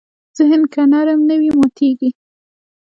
ذهن که نرم نه وي، ماتېږي.